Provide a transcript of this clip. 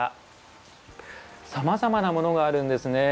さまざまなものがあるんですね。